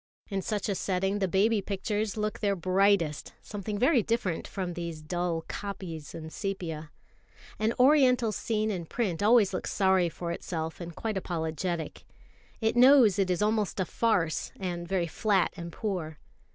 In such a setting the baby pictures look their brightest, something very different from these dull copies in sepia. An Oriental scene in print always looks sorry for itself, and quite apologetic. It knows it is almost a farce, and very flat and poor.